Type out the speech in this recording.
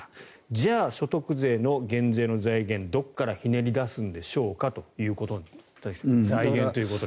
じゃあ、所得税の減税の財源をどこからひねり出すんでしょうかということで田崎さん、財源ということに。